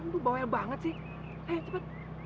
tapi buat apa